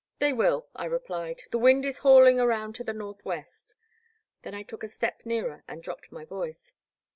"They will," I replied, "the wind is hauling around to the northwest." Then I took a step nearer and dropped my voice.